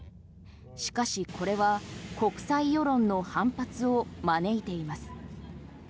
しかし、これは国際世論の反発を招いています。